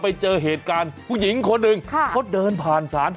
แม่ไม่อยากไปอยู่นาน